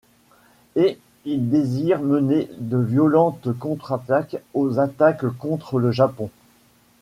Et il désire mener de violentes contre-attaques aux attaques contre le Japon.